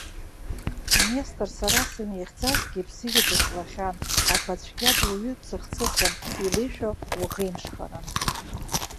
Нестор сара санихьӡазгьы бзиа дышлахьан, аха цәгьа дуаҩы цыхцыхын, илеишәа уаӷеимшхаран.